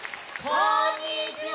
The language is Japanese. こんにちは！